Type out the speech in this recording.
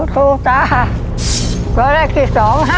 ตัวเลขที่สอง๕๙